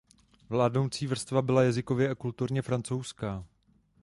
Vládnoucí vrstva byla jazykově a kulturně francouzská.